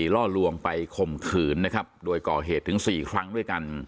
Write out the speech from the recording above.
ล่อลวงไปข่มขืนนะครับโดยก่อเหตุถึง๔ครั้งด้วยกัน